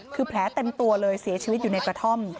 คือแผลเต็มตัวเลยเสียชีวิตอยู่ในกระท่อม